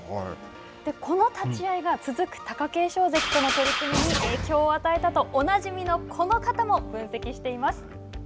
この立ち合いが続く貴景勝関との取組に影響を与えたと、おなじみのこの方も分析しています。